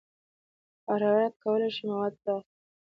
حرارت کولی شي مواد پراخ کړي.